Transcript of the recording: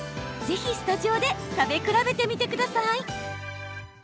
ぜひ、スタジオで食べ比べてみてください。